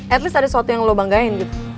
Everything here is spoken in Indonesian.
at least ada sesuatu yang lo banggain gitu